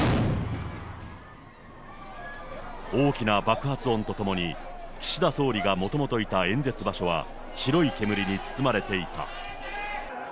大きな爆発音とともに、岸田総理がもともといた演説場所は、白い煙に包まれていた。